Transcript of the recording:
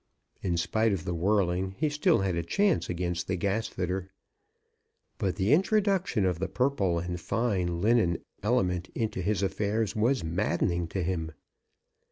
In spite of the whirling he still had a chance against the gasfitter. But the introduction of the purple and fine linen element into his affairs was maddening to him.